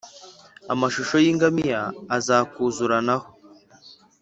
amashyo y’ingamiya azakuzuranaho,